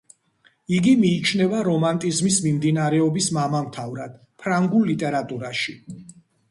იგი მიიჩნევა რომანტიზმის მიმდინარეობის მამამთავრად ფრანგულ ლიტერატურაში.